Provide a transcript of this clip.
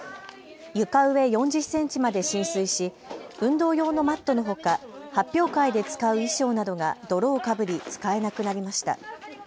床上４０センチまで浸水し運動用のマットのほか発表会で使う衣装などが泥をかぶり使えなくなりました。